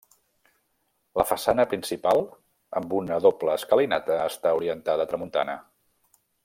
La façana principal, amb una doble escalinata, està orientada a tramuntana.